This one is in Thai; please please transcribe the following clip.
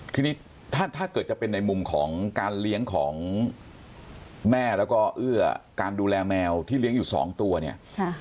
ทีนี้ถ้าเกิดจะเป็นในมุมของการเลี้ยงของแม่แล้วก็เอื้อการดูแลแมวที่เลี้ยงอยู่สองตัวเนี่ย